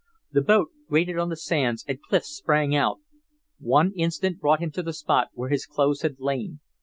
The boat grated on the sands, and Clif sprang out. One instant brought him to the spot where his clothes had lain.